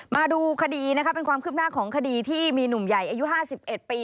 มาดูคดีนะคะเป็นความคืบหน้าของคดีที่มีหนุ่มใหญ่อายุ๕๑ปี